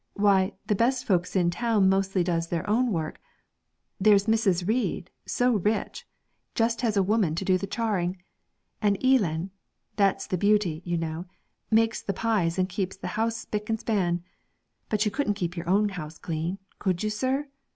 Why, the best folks in town mostly does their own work; there's Mrs. Reid, so rich, just has a woman to do the charing; and Eelan that's the beauty, you know makes the pies and keeps the house spick and span. But you couldn't keep your own house clean, could you, sir?